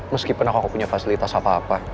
meskipun aku gak punya fasilitas apa apa